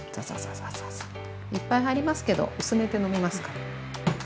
いっぱい入りますけど薄めて飲みますから。